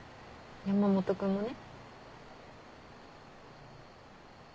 山本君もね。